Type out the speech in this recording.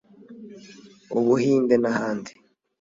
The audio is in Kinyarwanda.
u Buhinde n’ahandi